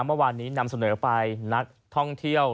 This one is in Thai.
เมื่อวานนี้นำเสนอไปนักท่องเที่ยว